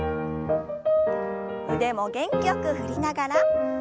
腕も元気よく振りながら。